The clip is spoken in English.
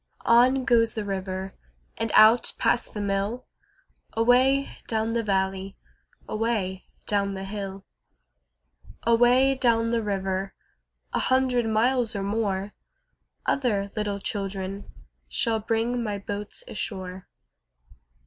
On goes the river And out past the mill, Away down the valley, Away down the hill. Away down the river, A hundred miles or more, Other little children Shall bring my boats ashore.